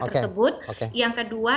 tersebut yang kedua